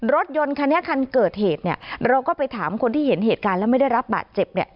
รถยนต์คันนี้คันเกิดเหตุเนี่ยเราก็ไปถามคนที่เห็นเหตุการณ์แล้วไม่ได้รับบาดเจ็บเนี่ย